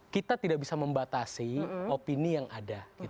kita tidak bisa membatasi opini yang ada